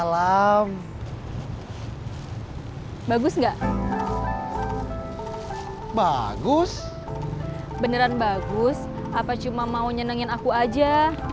kamu tersayang ingat ya